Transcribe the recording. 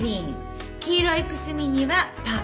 黄色いくすみにはパープル。